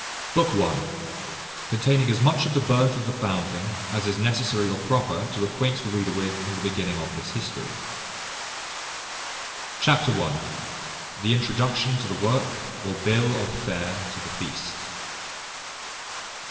BOOK I. CONTAINING AS MUCH OF THE BIRTH OF THE FOUNDLING AS IS NECESSARY OR PROPER TO ACQUAINT THE READER WITH IN THE BEGINNING OF THIS HISTORY. Chapter i. The introduction to the work, or bill of fare to the feast.